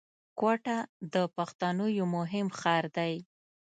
کوټه د پښتنو یو مهم ښار دی